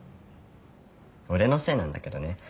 俺のせいなんだけどね。